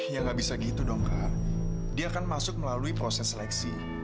ya gak bisa gitu dong kak dia akan masuk melalui proses seleksi